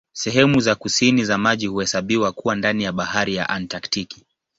Sehemu za kusini za maji huhesabiwa kuwa ndani ya Bahari ya Antaktiki.